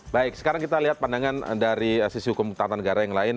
baik sekarang kita lihat pandangan dari sisi hukum tata negara yang lain